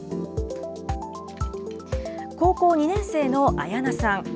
高校２年生のあやなさん。